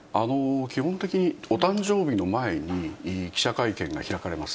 基本的にお誕生日の前に、記者会見が開かれます。